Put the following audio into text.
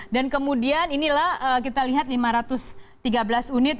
dan kemudian inilah kita lihat lima ratus tiga belas unit